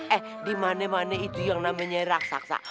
eh dimana mana itu yang namanya raksasa